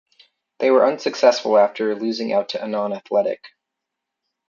They were unsuccessful after losing out to Annan Athletic.